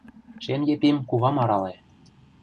Шем Епим кувам арале: